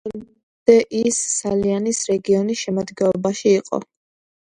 მანამდე ის სალიანის რეგიონის შემადგენლობაში იყო.